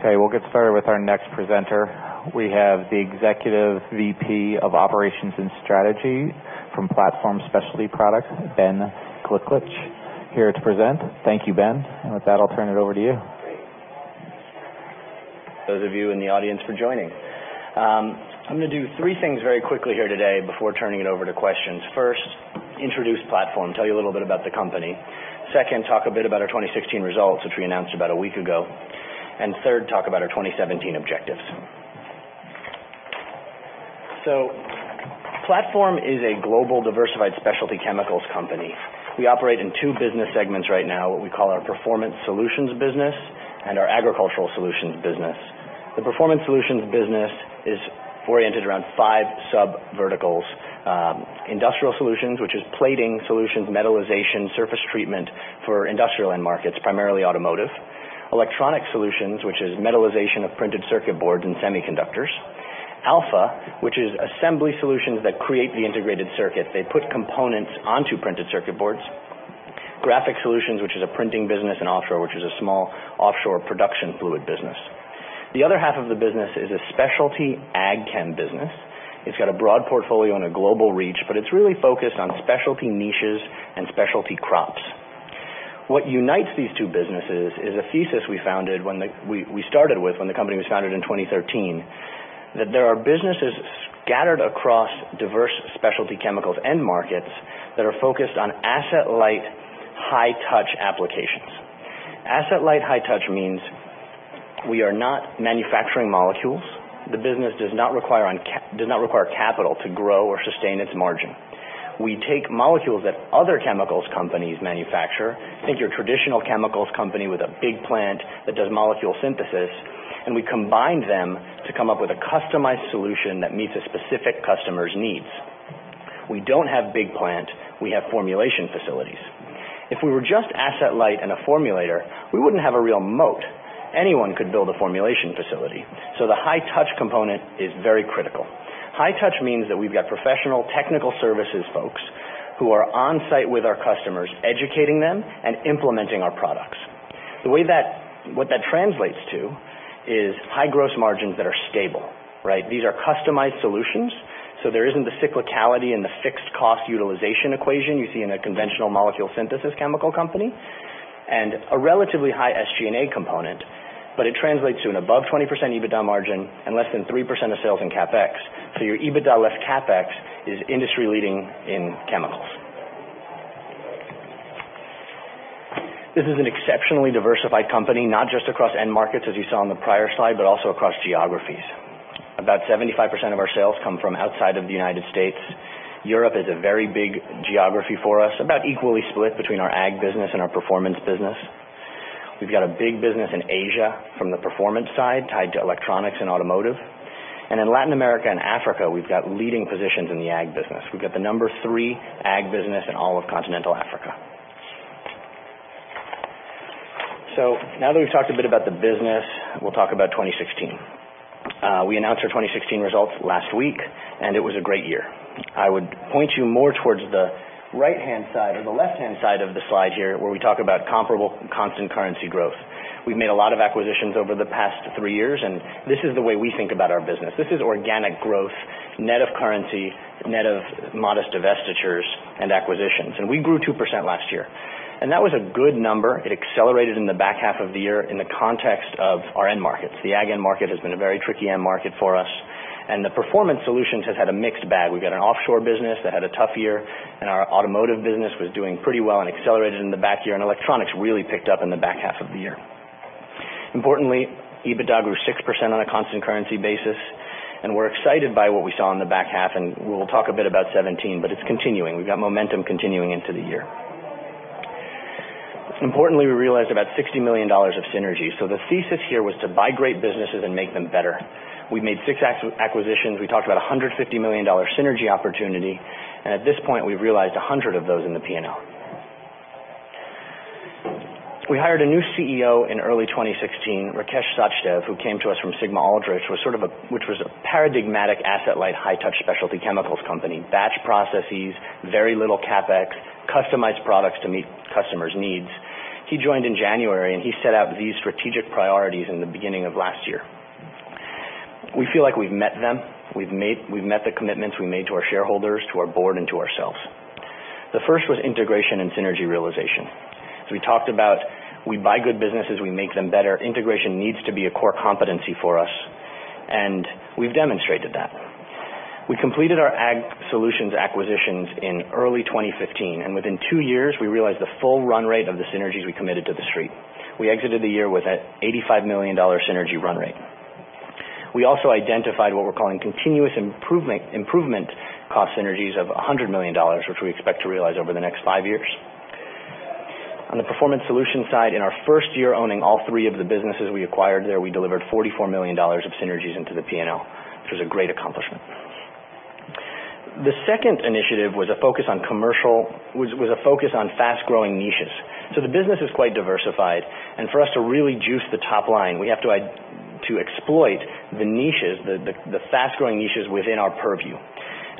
Okay, we'll get started with our next presenter. We have the Executive Vice President of Operations and Strategy from Platform Specialty Products, Ben Gliklich, here to present. Thank you, Ben. With that, I'll turn it over to you. Thank you to those of you in the audience for joining. I'm going to do three things very quickly here today before turning it over to questions. First, introduce Platform, tell you a little bit about the company. Second, talk a bit about our 2016 results, which we announced about a week ago. Third, talk about our 2017 objectives. Platform is a global diversified specialty chemicals company. We operate in two business segments right now, what we call our Performance Solutions business and our Agricultural Solutions business. The Performance Solutions business is oriented around five sub-verticals. Industrial Solutions, which is plating solutions, metallization, surface treatment for industrial end markets, primarily automotive. Electronic Solutions, which is metallization of printed circuit boards and semiconductors. Alpha, which is assembly solutions that create the integrated circuit. They put components onto printed circuit boards. Graphic Solutions, which is a printing business, and Offshore, which is a small offshore production fluid business. The other half of the business is a specialty ag chem business. It's got a broad portfolio and a global reach, but it's really focused on specialty niches and specialty crops. What unites these two businesses is a thesis we started with when the company was founded in 2013, that there are businesses scattered across diverse specialty chemicals end markets that are focused on asset-light, high-touch applications. Asset-light, high-touch means we are not manufacturing molecules. The business does not require capital to grow or sustain its margin. We take molecules that other chemicals companies manufacture. Think your traditional chemicals company with a big plant that does molecule synthesis, and we combine them to come up with a customized solution that meets a specific customer's needs. We don't have big plant. We have formulation facilities. If we were just asset-light and a formulator, we wouldn't have a real moat. Anyone could build a formulation facility. The high-touch component is very critical. High touch means that we've got professional technical services folks who are on-site with our customers, educating them and implementing our products. What that translates to is high gross margins that are stable, right? These are customized solutions, so there isn't the cyclicality and the fixed cost utilization equation you see in a conventional molecule synthesis chemical company, and a relatively high SG&A component. It translates to an above 20% EBITDA margin and less than 3% of sales in CapEx. Your EBITDA less CapEx is industry-leading in chemicals. This is an exceptionally diversified company, not just across end markets, as you saw on the prior slide, but also across geographies. About 75% of our sales come from outside of the U.S. Europe is a very big geography for us, about equally split between our ag business and our performance business. We've got a big business in Asia from the performance side, tied to Electronics and automotive. In Latin America and Africa, we've got leading positions in the ag business. We've got the number 3 ag business in all of continental Africa. Now that we've talked a bit about the business, we'll talk about 2016. We announced our 2016 results last week. It was a great year. I would point you more towards the right-hand side or the left-hand side of the slide here, where we talk about comparable constant currency growth. We've made a lot of acquisitions over the past three years. This is the way we think about our business. This is organic growth, net of currency, net of modest divestitures and acquisitions. We grew 2% last year. That was a good number. It accelerated in the back half of the year in the context of our end markets. The ag end market has been a very tricky end market for us. Performance Solutions has had a mixed bag. We've got an offshore business that had a tough year. Our automotive business was doing pretty well and accelerated in the back half of the year. Electronics really picked up in the back half of the year. Importantly, EBITDA grew 6% on a constant currency basis. We're excited by what we saw in the back half. We'll talk a bit about 2017, but it's continuing. We've got momentum continuing into the year. Importantly, we realized about $60 million of synergy. The thesis here was to buy great businesses and make them better. We made six acquisitions. We talked about $150 million synergy opportunity. At this point, we've realized 100 of those in the P&L. We hired a new CEO in early 2016, Rakesh Sachdev, who came to us from Sigma-Aldrich, which was a paradigmatic asset-light, high-touch specialty chemicals company. Batch processes, very little CapEx, customized products to meet customers' needs. He joined in January. He set out these strategic priorities in the beginning of last year. We feel like we've met them. We've met the commitments we made to our shareholders, to our board, and to ourselves. The first was integration and synergy realization. We talked about we buy good businesses, we make them better. Integration needs to be a core competency for us. We've demonstrated that. We completed our Ag Solutions acquisitions in early 2015. Within two years, we realized the full run rate of the synergies we committed to The Street. We exited the year with an $85 million synergy run rate. We also identified what we're calling continuous improvement cost synergies of $100 million, which we expect to realize over the next five years. On the Performance Solutions side, in our first year owning all three of the businesses we acquired there, we delivered $44 million of synergies into the P&L, which was a great accomplishment. The second initiative was a focus on fast-growing niches. The business is quite diversified. For us to really juice the top line, we have to exploit the niches, the fast-growing niches within our purview.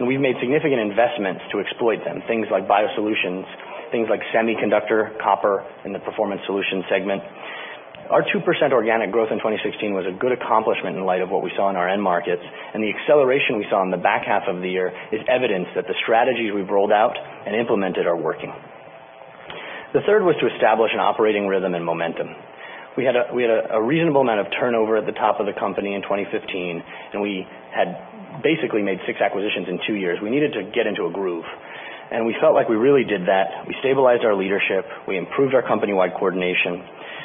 We've made significant investments to exploit them. Things like biosolutions, things like semiconductor copper in the Performance Solutions segment. Our 2% organic growth in 2016 was a good accomplishment in light of what we saw in our end markets. The acceleration we saw in the back half of the year is evidence that the strategies we've rolled out and implemented are working. The third was to establish an operating rhythm and momentum. We had a reasonable amount of turnover at the top of the company in 2015. We had basically made six acquisitions in two years. We needed to get into a groove. We felt like we really did that. We stabilized our leadership. We improved our company-wide coordination.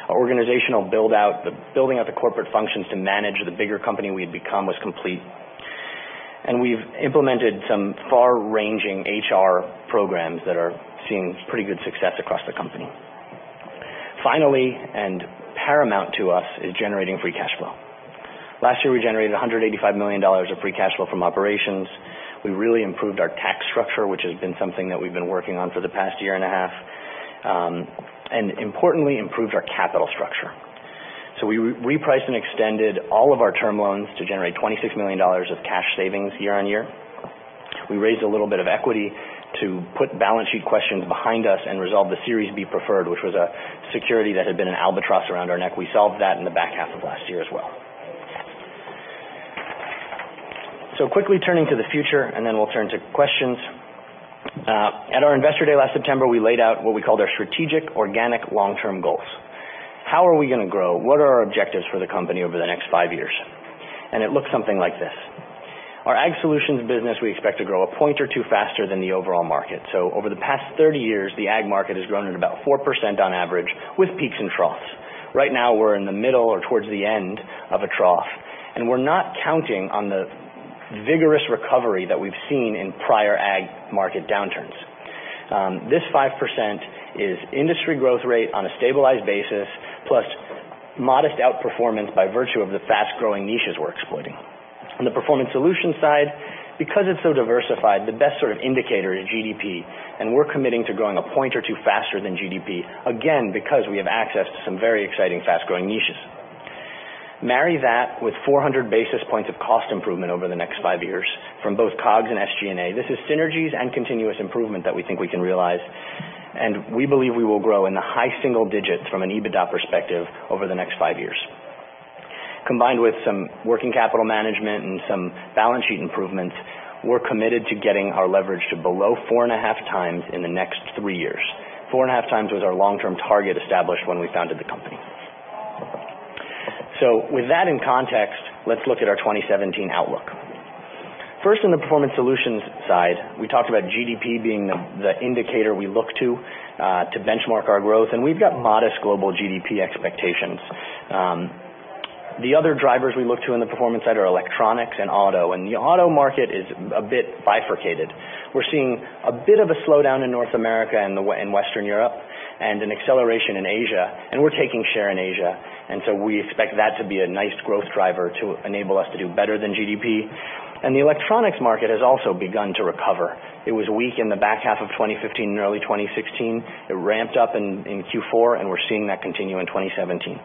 Our organizational build-out, the building out the corporate functions to manage the bigger company we had become was complete. We've implemented some far-ranging HR programs that are seeing pretty good success across the company. Finally, paramount to us, is generating free cash flow. Last year, we generated $185 million of free cash flow from operations. We really improved our tax structure, which has been something that we've been working on for the past year and a half. Importantly, improved our capital structure. We repriced and extended all of our term loans to generate $26 million of cash savings year-on-year. We raised a little bit of equity to put balance sheet questions behind us and resolve the Series B preferred, which was a security that had been an albatross around our neck. We solved that in the back half of last year as well. Quickly turning to the future, then we'll turn to questions. At our investor day last September, we laid out what we called our strategic organic long-term goals. How are we going to grow? What are our objectives for the company over the next five years? It looks something like this. Our Ag Solutions business we expect to grow a point or two faster than the overall market. Over the past 30 years, the ag market has grown at about 4% on average, with peaks and troughs. Right now, we're in the middle or towards the end of a trough. We're not counting on the vigorous recovery that we've seen in prior ag market downturns. This 5% is industry growth rate on a stabilized basis, plus modest outperformance by virtue of the fast-growing niches we're exploiting. On the Performance Solutions side, because it's so diversified, the best sort of indicator is GDP. We're committing to growing a point or two faster than GDP, again, because we have access to some very exciting fast-growing niches. Marry that with 400 basis points of cost improvement over the next five years from both COGS and SG&A. This is synergies and continuous improvement that we think we can realize. We believe we will grow in the high single digits from an EBITDA perspective over the next five years. Combined with some working capital management and some balance sheet improvements, we're committed to getting our leverage to below 4.5 times in the next three years. 4.5 times was our long-term target established when we founded the company. With that in context, let's look at our 2017 outlook. First in the Performance Solutions side, we talked about GDP being the indicator we look to benchmark our growth. We've got modest global GDP expectations. The other drivers we look to in the performance side are Electronics and auto. The auto market is a bit bifurcated. We're seeing a bit of a slowdown in North America and Western Europe, an acceleration in Asia, we're taking share in Asia, so we expect that to be a nice growth driver to enable us to do better than GDP. The Electronics market has also begun to recover. It was weak in the back half of 2015 and early 2016. It ramped up in Q4, we're seeing that continue in 2017.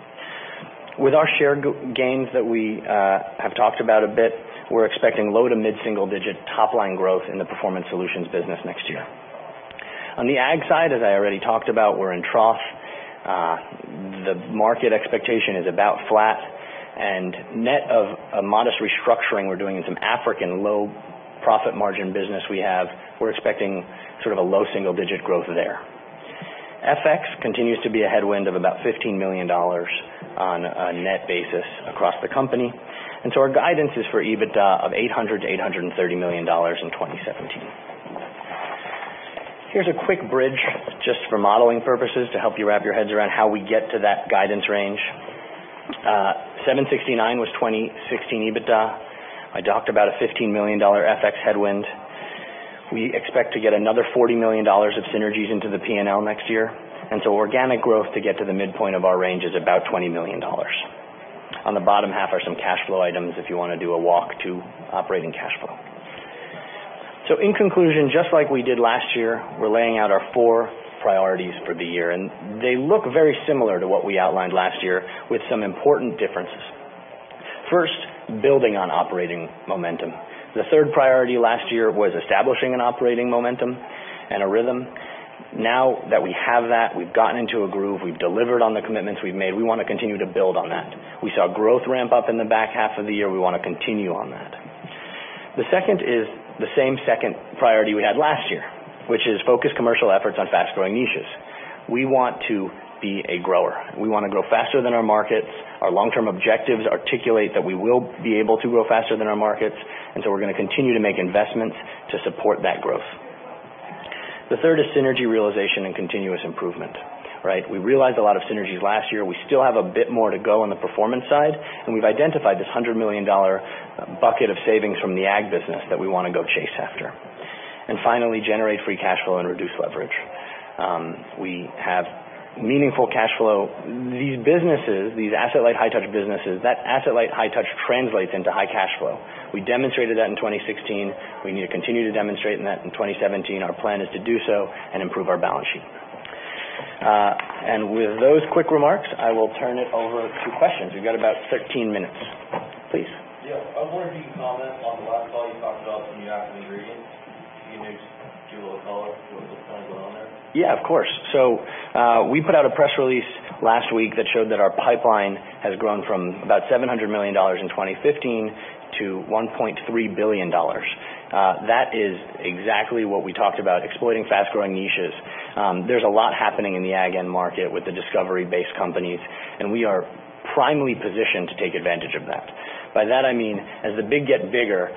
With our shared gains that we have talked about a bit, we're expecting low to mid-single-digit top-line growth in the Performance Solutions business next year. On the Ag side, as I already talked about, we're in trough. The market expectation is about flat, net of a modest restructuring we're doing in some African low profit margin business we have, we're expecting sort of a low single-digit growth there. FX continues to be a headwind of about $15 million on a net basis across the company. Our guidance is for EBITDA of $800 million to $830 million in 2017. Here's a quick bridge, just for modeling purposes, to help you wrap your heads around how we get to that guidance range. $769 million was 2016 EBITDA. I docked about a $15 million FX headwind. We expect to get another $40 million of synergies into the P&L next year, organic growth to get to the midpoint of our range is about $20 million. On the bottom half are some cash flow items if you want to do a walk to operating cash flow. In conclusion, just like we did last year, we're laying out our four priorities for the year, they look very similar to what we outlined last year, with some important differences. First, building on operating momentum. The third priority last year was establishing an operating momentum and a rhythm. Now that we have that, we've gotten into a groove, we've delivered on the commitments we've made, we want to continue to build on that. We saw growth ramp up in the back half of the year. We want to continue on that. The second is the same second priority we had last year, which is focus commercial efforts on fast-growing niches. We want to be a grower. We want to grow faster than our markets. Our long-term objectives articulate that we will be able to grow faster than our markets, so we're going to continue to make investments to support that growth. The third is synergy realization and continuous improvement, right? We realized a lot of synergies last year. We still have a bit more to go on the Performance side, we've identified this $100 million bucket of savings from the Ag business that we want to go chase after. Finally, generate free cash flow and reduce leverage. We have meaningful cash flow. These businesses, these asset-light, high-touch businesses, that asset-light, high-touch translates into high cash flow. We demonstrated that in 2016. We need to continue to demonstrate that in 2017. Our plan is to do so and improve our balance sheet. With those quick remarks, I will turn it over to questions. We've got about 13 minutes. Please. I was wondering if you can comment on the last call you talked about some new active ingredients. Can you just give a little color what's kind of going on there? Of course. We put out a press release last week that showed that our pipeline has grown from about $700 million in 2015 to $1.3 billion. That is exactly what we talked about, exploiting fast-growing niches. There's a lot happening in the ag end market with the discovery-based companies, and we are primely positioned to take advantage of that. By that I mean, as the big get bigger,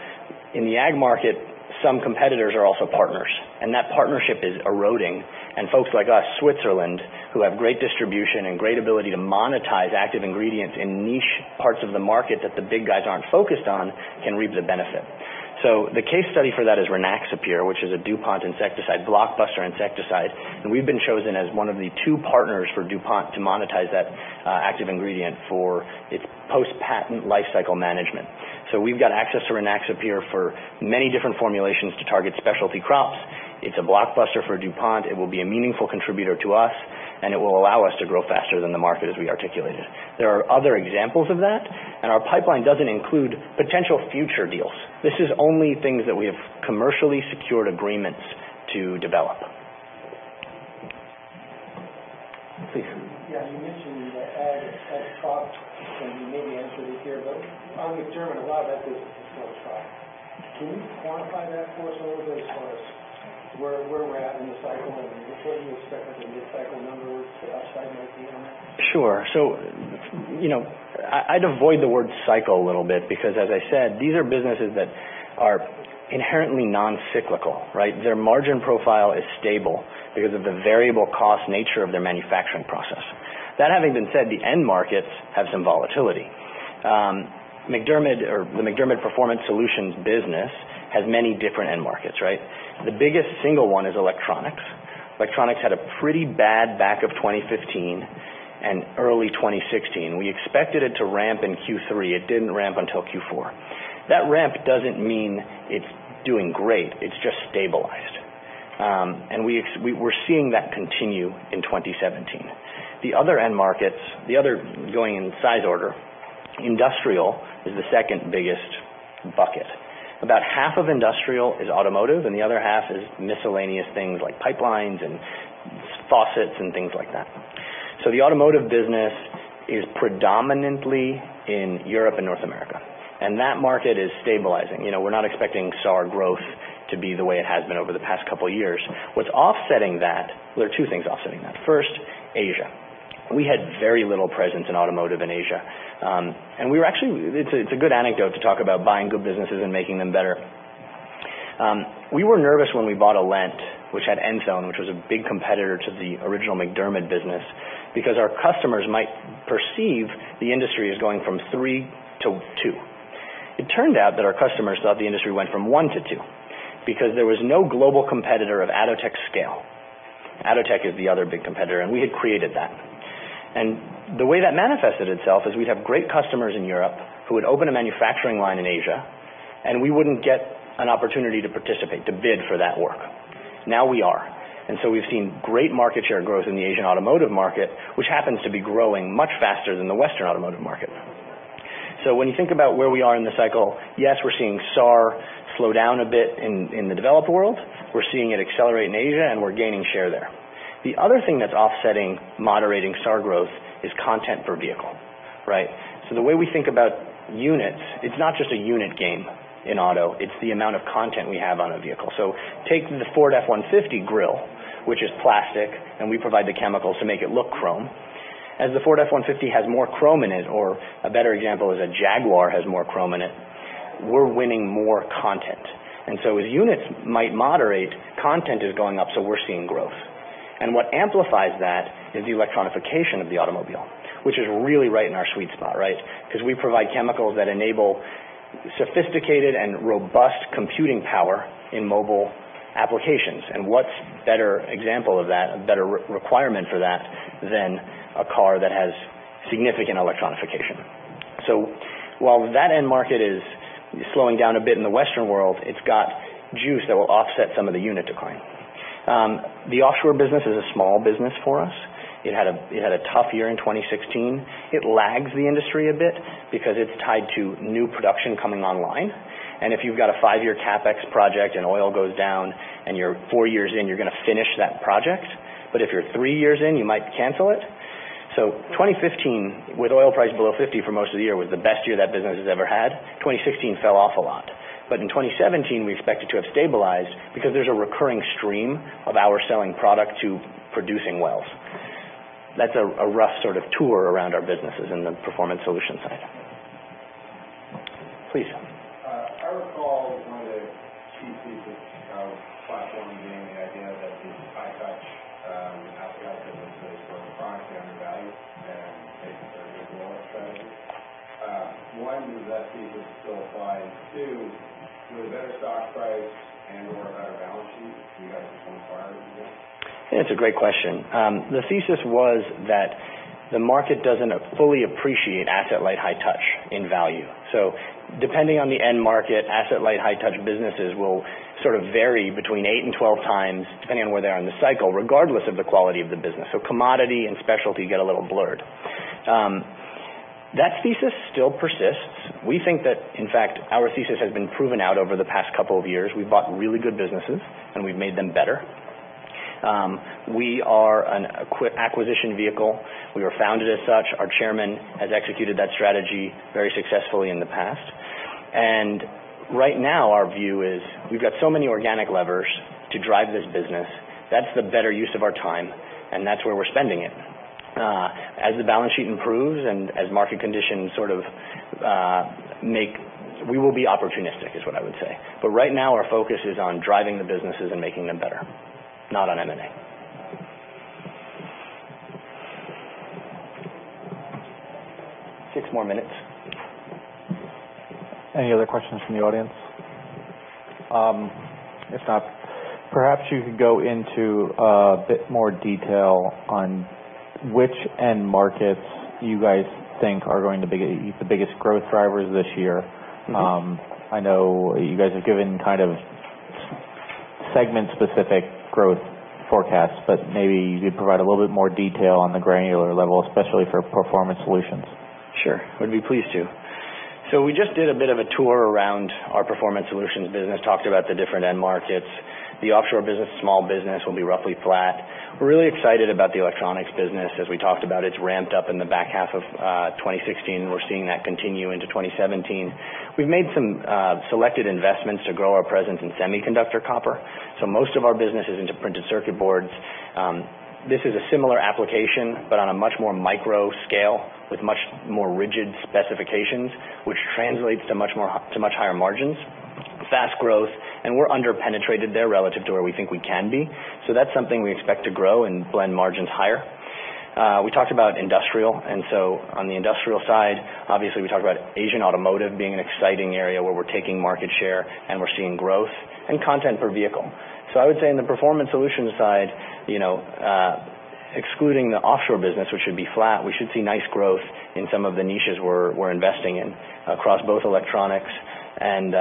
in the ag market, some competitors are also partners, and that partnership is eroding. Folks like us, Switzerland, who have great distribution and great ability to monetize active ingredients in niche parts of the market that the big guys aren't focused on, can reap the benefit. The case study for that is Rynaxypyr, which is a DuPont insecticide, blockbuster insecticide, and we've been chosen as one of the two partners for DuPont to monetize that active ingredient for its post-patent life cycle management. We've got access to Rynaxypyr for many different formulations to target specialty crops. It's a blockbuster for DuPont. It will be a meaningful contributor to us. It will allow us to grow faster than the market as we articulated. There are other examples of that. Our pipeline doesn't include potential future deals. This is only things that we have commercially secured agreements to develop. Please. You mentioned the ag crops. You maybe answered it here. How we determine a lot of that is still a trial. Can you quantify that for us a little bit as far as where we're at in the cycle and what are your cyclical year cycle numbers outside of IBM? Sure. I'd avoid the word cycle a little bit because as I said, these are businesses that are inherently non-cyclical, right? Their margin profile is stable because of the variable cost nature of their manufacturing process. That having been said, the end markets have some volatility. The MacDermid Performance Solutions business has many different end markets, right? The biggest single one is Electronics. Electronics had a pretty bad back of 2015 and early 2016. We expected it to ramp in Q3. It didn't ramp until Q4. That ramp doesn't mean it's doing great. It's just stabilized. We're seeing that continue in 2017. The other end markets, going in size order, industrial is the second biggest bucket. About half of industrial is automotive, and the other half is miscellaneous things like pipelines and faucets and things like that. The automotive business is predominantly in Europe and North America, and that market is stabilizing. We're not expecting SAR growth to be the way it has been over the past couple of years. What's offsetting that-- There are two things offsetting that. First, Asia. We had very little presence in automotive in Asia. It's a good anecdote to talk about buying good businesses and making them better. We were nervous when we bought Alent, which had Enthone, which was a big competitor to the original MacDermid business, because our customers might perceive the industry as going from three to two. It turned out that our customers thought the industry went from one to two because there was no global competitor of Atotech scale. Atotech is the other big competitor, and we had created that. The way that manifested itself is we'd have great customers in Europe who would open a manufacturing line in Asia, and we wouldn't get an opportunity to participate, to bid for that work. Now we are. We've seen great market share growth in the Asian automotive market, which happens to be growing much faster than the Western automotive market. When you think about where we are in the cycle, yes, we're seeing SAR slow down a bit in the developed world. We're seeing it accelerate in Asia, and we're gaining share there. The other thing that's offsetting moderating SAR growth is content per vehicle. Right? The way we think about units, it's not just a unit game in auto, it's the amount of content we have on a vehicle. Take the Ford F-150 grill, which is plastic, and we provide the chemicals to make it look chrome. As the Ford F-150 has more chrome in it, or a better example is a Jaguar has more chrome in it, we're winning more content. As units might moderate, content is going up, so we're seeing growth. What amplifies that is the electronification of the automobile, which is really right in our sweet spot, right? Because we provide chemicals that enable sophisticated and robust computing power in mobile applications. What's better example of that, a better requirement for that, than a car that has significant electronification. While that end market is slowing down a bit in the Western world, it's got juice that will offset some of the unit decline. The offshore business is a small business for us. It had a tough year in 2016. It lags the industry a bit because it's tied to new production coming online. If you've got a five-year CapEx project and oil goes down and you're four years in, you're going to finish that project. If you're three years in, you might cancel it. 2015, with oil price below 50 for most of the year, was the best year that business has ever had. 2016 fell off a lot. In 2017, we expect it to have stabilized because there's a recurring stream of our selling product to producing wells. That's a rough sort of tour around our businesses in the Performance Solutions side. Please. I recall one of the key pieces of platform being the idea that the high-touch outcome versus working product down the value and making surgical roll-up strategies. One, does that thesis still apply? Two, with a better stock price and/or a better balance sheet, do you guys become buyers again? It's a great question. The thesis was that the market doesn't fully appreciate asset-light, high-touch in value. Depending on the end market, asset-light, high-touch businesses will sort of vary between eight and 12 times, depending on where they are in the cycle, regardless of the quality of the business. Commodity and specialty get a little blurred. That thesis still persists. We think that, in fact, our thesis has been proven out over the past couple of years. We've bought really good businesses and we've made them better. We are an acquisition vehicle. We were founded as such. Our chairman has executed that strategy very successfully in the past. Right now, our view is we've got so many organic levers to drive this business. That's the better use of our time, and that's where we're spending it. As the balance sheet improves and as market conditions, we will be opportunistic is what I would say. Right now, our focus is on driving the businesses and making them better, not on M&A. Six more minutes. Perhaps you could go into a bit more detail on which end markets you guys think are going to be the biggest growth drivers this year. I know you guys have given kind of segment-specific growth forecasts. Maybe you could provide a little bit more detail on the granular level, especially for Performance Solutions. Sure. Would be pleased to. We just did a bit of a tour around our Performance Solutions business, talked about the different end markets. The Offshore Solutions business, small business will be roughly flat. We're really excited about the Electronics business. As we talked about, it's ramped up in the back half of 2016. We're seeing that continue into 2017. We've made some selected investments to grow our presence in semiconductor copper. Most of our business is into printed circuit boards. This is a similar application but on a much more micro scale with much more rigid specifications, which translates to much higher margins, fast growth, and we're under-penetrated there relative to where we think we can be. That's something we expect to grow and blend margins higher. We talked about Industrial Solutions. On the Industrial Solutions side, obviously we talked about Asian automotive being an exciting area where we're taking market share and we're seeing growth and content per vehicle. I would say on the Performance Solutions side, excluding the Offshore Solutions business, which should be flat, we should see nice growth in some of the niches we're investing in across both Electronics and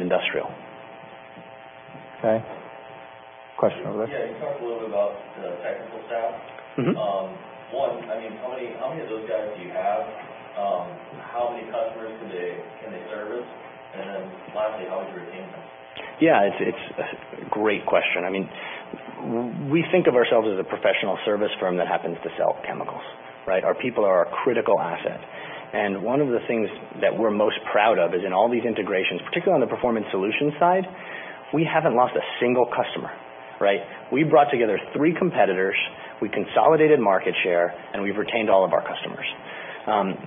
Industrial Solutions. Okay. Question over there. Yeah. Can you talk a little bit about the technical staff? One, I mean, how many of those guys do you have? How many customers can they service? Then lastly, how would you retain them? Yeah. It's a great question. I mean, we think of ourselves as a professional service firm that happens to sell chemicals, right? Our people are our critical asset. One of the things that we're most proud of is in all these integrations, particularly on the Performance Solutions side, we haven't lost a single customer, right? We brought together three competitors, we consolidated market share, we've retained all of our customers.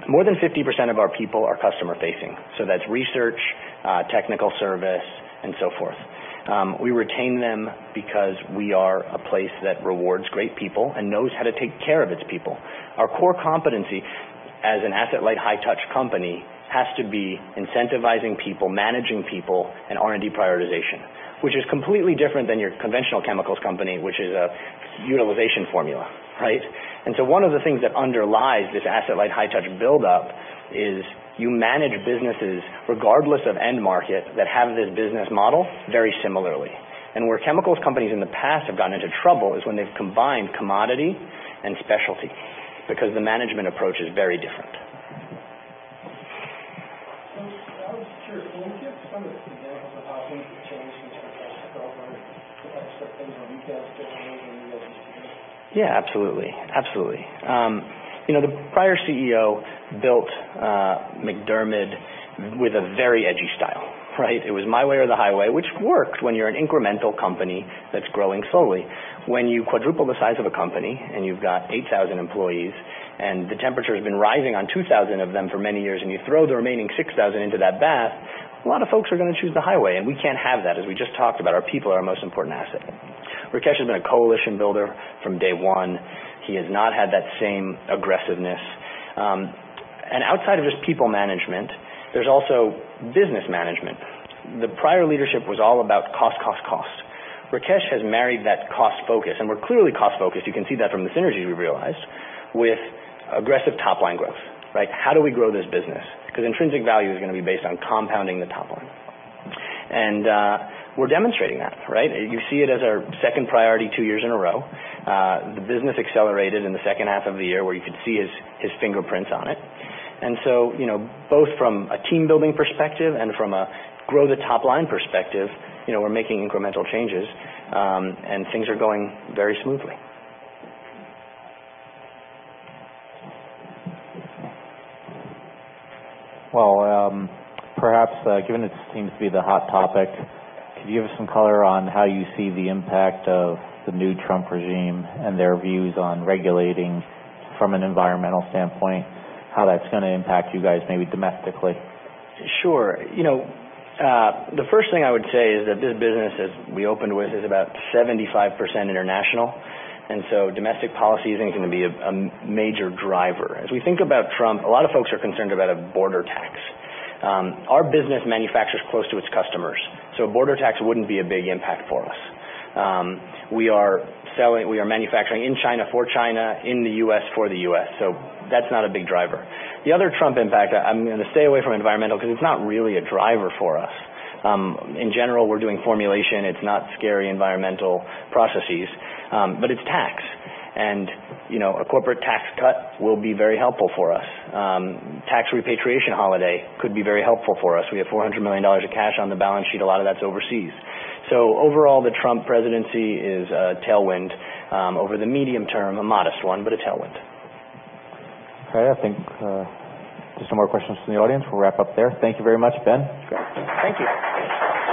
More than 50% of our people are customer-facing. That's research, technical service, and so forth. We retain them because we are a place that rewards great people and knows how to take care of its people. Our core competency as an asset-light, high-touch company has to be incentivizing people, managing people, R&D prioritization, which is completely different than your conventional chemicals company, which is a utilization formula, right? One of the things that underlies this asset-light, high-touch buildup is you manage businesses regardless of end market that have this business model very similarly. Where chemicals companies in the past have gotten into trouble is when they've combined commodity and specialty because the management approach is very different. I was curious, can you give some examples of how things have changed since Rakesh Sachdev took over in terms of things on a retail scale or maybe like his leadership? Yeah, absolutely. The prior CEO built MacDermid with a very edgy style, right? It was my way or the highway, which works when you're an incremental company that's growing slowly. When you quadruple the size of a company, and you've got 8,000 employees, and the temperature's been rising on 2,000 of them for many years, and you throw the remaining 6,000 into that bath, a lot of folks are going to choose the highway. We can't have that. As we just talked about, our people are our most important asset. Rakesh has been a coalition builder from day one. He has not had that same aggressiveness. Outside of just people management, there's also business management. The prior leadership was all about cost, cost. Rakesh has married that cost focus, and we're clearly cost-focused, you can see that from the synergies we realized, with aggressive top-line growth, right? How do we grow this business? Because intrinsic value is going to be based on compounding the top line. We're demonstrating that, right? You see it as our second priority 2 years in a row. The business accelerated in the second half of the year where you could see his fingerprints on it. Both from a team-building perspective and from a grow-the-top-line perspective, we're making incremental changes, and things are going very smoothly. Well, perhaps, given it seems to be the hot topic, could you give us some color on how you see the impact of the new Trump regime and their views on regulating from an environmental standpoint, how that's going to impact you guys maybe domestically? Sure. The first thing I would say is that this business, as we opened with, is about 75% international. Domestic policy isn't going to be a major driver. As we think about Trump, a lot of folks are concerned about a border tax. Our business manufactures close to its customers, a border tax wouldn't be a big impact for us. We are manufacturing in China for China, in the U.S. for the U.S. That's not a big driver. The other Trump impact, I'm going to stay away from environmental because it's not really a driver for us. In general, we're doing formulation. It's not scary environmental processes. It's tax, a corporate tax cut will be very helpful for us. Tax repatriation holiday could be very helpful for us. We have $400 million of cash on the balance sheet. A lot of that's overseas. Overall, the Trump presidency is a tailwind. Over the medium term, a modest one, a tailwind. Okay. I think just some more questions from the audience. We'll wrap up there. Thank you very much, Ben. Sure. Thank you.